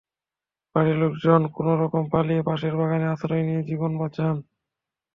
বাড়ির লোকজন কোনো রকমে পালিয়ে পাশের বাগানে আশ্রয় নিয়ে জীবন বাঁচান।